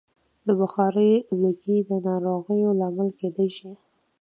د بخارۍ لوګی د ناروغیو لامل کېدای شي.